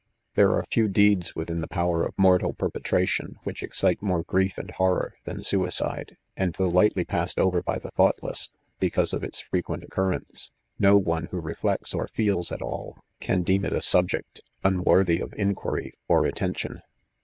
There are few deeds within the power of mortal per petration., which excite more grief and horror, than sui cide ; and though lightly passed over oy the thoughtless^ lbeeause of its frequent occurrence., no one who reflects or feeb at all can deem it a subject unworthy of inquiry ov attention.